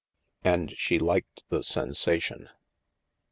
And she liked the sensation